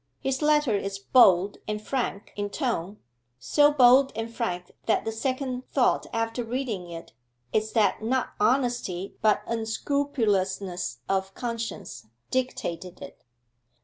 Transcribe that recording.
His letter is bold and frank in tone, so bold and frank that the second thought after reading it is that not honesty, but unscrupulousness of conscience dictated it.